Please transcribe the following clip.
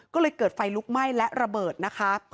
ก็เลยเกิดไฟลุกไหม้และระเบิดนะคะ